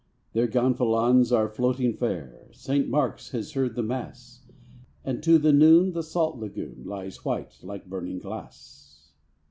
Their gonfalons are floating far, St. Mark's has heard the mass, And to the noon the salt lagoon Lies white, like burning glass.